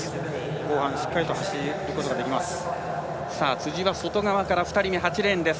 後半、しっかりと走ることができます。